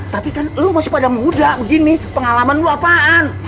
tapi kan lo masih pada muda begini pengalaman lu apaan